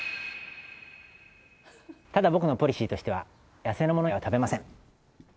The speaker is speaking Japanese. ただ、僕のポリシーとしては、野生のものは食べません。